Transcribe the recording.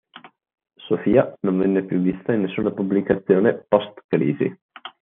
Sofia non venne più vista in nessuna pubblicazione post-"Crisi".